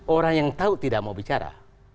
orang yang tahu tidak mau bicara